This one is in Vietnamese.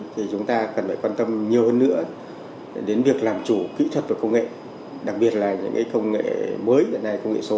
thì chúng ta cần phải quan tâm nhiều hơn nữa đến việc làm chủ kỹ thuật và công nghệ đặc biệt là những công nghệ mới hiện nay công nghệ số